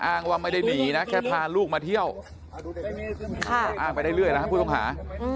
อ้างว่าไม่ได้หนีนะแค่พาลูกมาเที่ยวอ้างไปได้เรื่อยนะฮะผู้ต้องหา